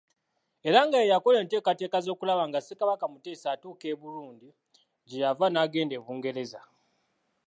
Era nga ye yakola enteekateeka z’okulaba nga Ssekabaka Muteesa atuuka e Burundi, gye yava n'agenda e Bungereza.